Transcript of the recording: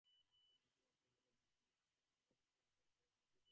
এ রাজ্যে এতবড়ো বিষম দুশ্চিন্তার কারণ ইতিপূর্বে আর কখনো ঘটে নাই।